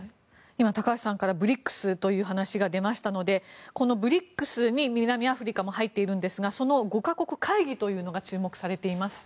今、高橋さんからＢＲＩＣＳという話が出ましたのでこのＢＲＩＣＳに南アフリカも入っているんですがその５か国会議というのが注目されています。